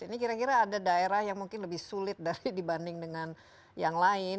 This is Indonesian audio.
ini kira kira ada daerah yang mungkin lebih sulit dibanding dengan yang lain